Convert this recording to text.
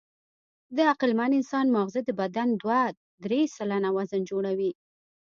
د عقلمن انسان ماغزه د بدن دوه تر درې سلنه وزن جوړوي.